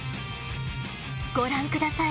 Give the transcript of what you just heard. ご覧ください。